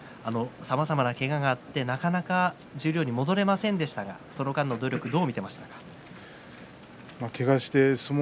さまざまなけががあってなかなか十両に戻れませんでしたがその間の努力をどう見ていましたか。